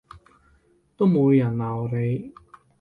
都冇人鬧你